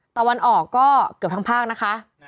ตะวันออกก็เกือบทั้งภาคนะคะ